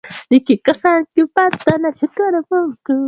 yaani watawala wenyeji waliowekwa na wakoloni